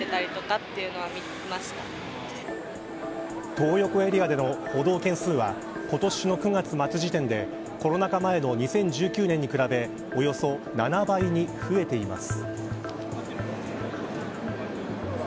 トー横エリアでの補導件数は今年の９月末時点でコロナ禍前の２０１９年に比べおよそ７倍に増えています。